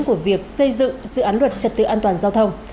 của việc xây dựng dự án luật trật tự an toàn giao thông